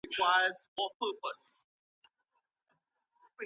د نجونو لیلیه په ناقانونه توګه نه جوړیږي.